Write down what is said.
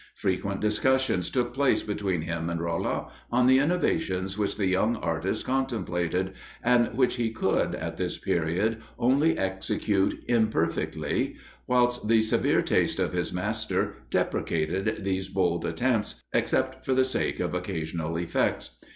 Frequent discussions took place between him and Rolla on the innovations which the young artist contemplated, and which he could, at this period, only execute imperfectly, whilst the severe taste of his master deprecated these bold attempts, except for the sake of occasional effects.